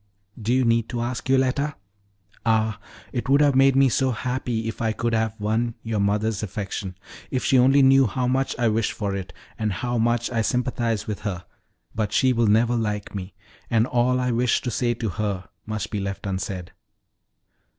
"Do you need to ask, Yoletta? Ah, it would have made me so happy if I could have won your mother's affection! If she only knew how much I wish for it, and how much I sympathize with her! But she will never like me, and all I wished to say to her must be left unsaid."